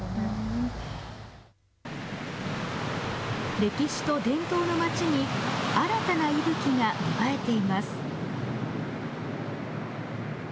歴史と伝統の町に新たな息吹が芽生えています。